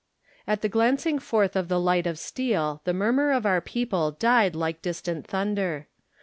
At the glancing forth of the light of steel the murmur of our people died like distant thunder.